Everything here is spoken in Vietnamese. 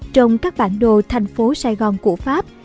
trong các bản đồ thành phố sài gòn của pháp